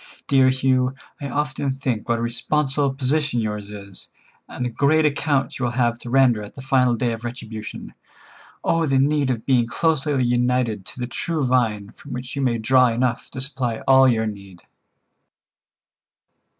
Dear Hugh, I often think what a responsible position yours is, and the great account you will have to render at the final day of retribution. Oh, the need of being closely united to the true Vine from which you may draw enough to supply all your need!"